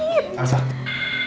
tidak ada sakit